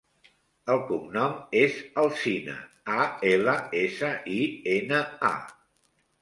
El cognom és Alsina: a, ela, essa, i, ena, a.